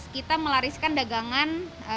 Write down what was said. kita melariskan dagangan